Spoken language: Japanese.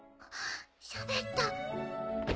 しゃべった。